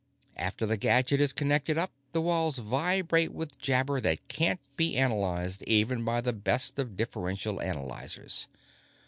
After the gadget is connected up, the walls vibrate with jabber that can't be analyzed even by the best of differential analyzers.